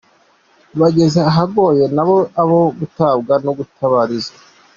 Bageze ahagoye, nabo ni abo gutabarwa no gutabarizwa.